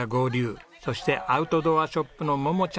そしてアウトドアショップの桃ちゃん一家も！